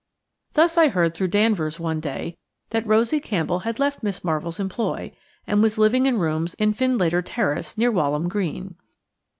Thus I heard through Danvers one day that Rosie Campbell had left Miss Marvell's employ, and was living in rooms in Findlater Terrace, near Walham Green.